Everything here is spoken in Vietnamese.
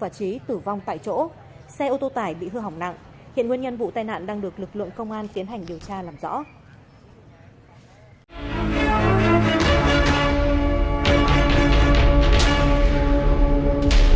hãy đăng kí cho kênh lalaschool để không bỏ lỡ những video hấp dẫn